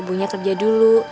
ibunya kerja dulu